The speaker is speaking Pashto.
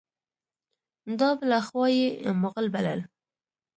دا بله خوا یې مغل بلل.